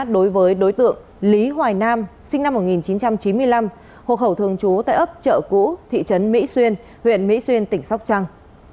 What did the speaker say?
đối với đối tượng lý hoài nam sinh năm một nghìn chín trăm chín mươi năm hộ khẩu thường trú tại ấp chợ cũ thị trấn mỹ xuyên huyện mỹ xuyên tỉnh sóc trăng